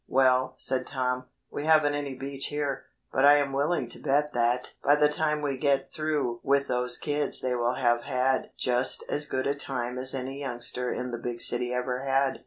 "Well," said Tom, "we haven't any beach here, but I am willing to bet that by the time we get through with those kids they will have had just as good a time as any youngster in the big city ever had."